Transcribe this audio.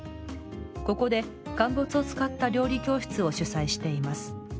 ここで乾物を使った料理教室を主宰しています。